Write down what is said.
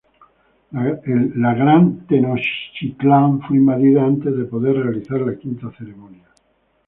La gran Tenochtitlán fue invadida antes de poder realizar la quinta ceremonia.